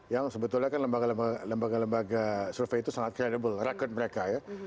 yang sebetulnya kan lembaga lembaga survei itu sangat credible record mereka ya